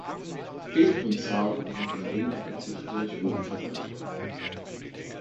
Peter von Zahn war mit dem Marineoffizier Friedrich Ruge verwandt.